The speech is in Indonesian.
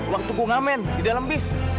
waktu gue ngamen di dalam bis